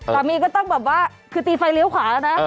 ก็ต้องแบบว่าคือตีไฟเลี้ยวขวาแล้วนะ